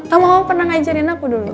tau nggak mama pernah ngajarin aku dulu